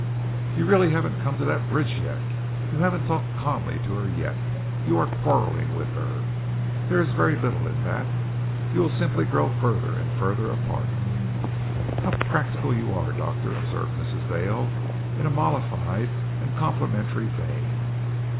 "You really haven't come to that bridge yet. You haven't talked calmly to her yet. You are quarreling with her. There is very little in that. You will simply grow further and further apart." "How practical you are, doctor," observed Mrs. Dale, in a mollified and complimentary vein.